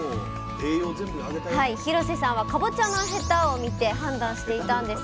廣瀬さんはかぼちゃのへたを見て判断していたんです